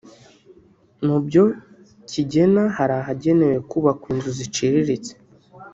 Mu byo kigena hari ahagenewe kubakwa inzu ziciriritse